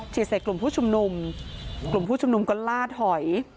ฉีดเสร็จกลุ่มผู้ชมนุมกลุ่มผู้ชมนุมก็ลาดหอย